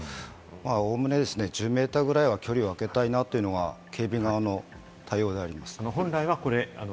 おおむね１０メーターぐらいは距離をあけたいなというのが警備側の対応であります。